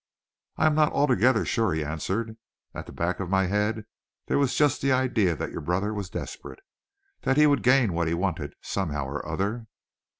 "I am not altogether sure," he answered. "At the back of my head there was just the idea that your brother was desperate, that he would gain what he wanted, somehow or other."